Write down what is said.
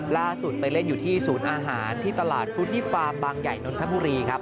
ล่าสุดไปเล่นอยู่ที่ศูนย์อาหารที่ตลาดฟุตนี่ฟาร์มบางใหญ่นนทบุรีครับ